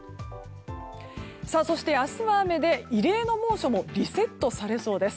明日の雨で異例の猛暑もリセットされそうです。